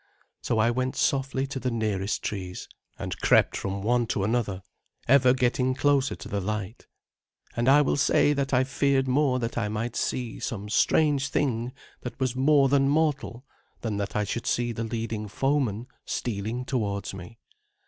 So I went softly to the nearest trees, and crept from one to another, ever getting closer to the light; and I will say that I feared more that I might see some strange thing that was more than mortal than that I should see the leading foeman stealing towards me.